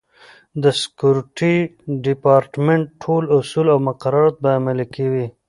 د سکورټي ډیپارټمنټ ټول اصول او مقررات به عملي کوي.